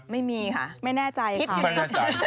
ไม่มีค่ะไม่แน่ใจค่ะ